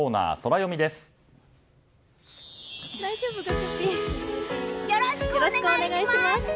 よろしくお願いします！